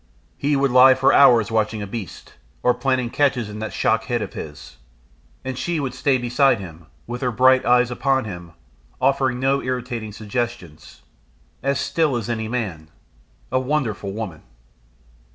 He would lie for hours watching a beast, or planning catches in that shock head of his, and she would stay beside him, with her bright eyes upon him, offering no irritating suggestions as still as any man. A wonderful woman!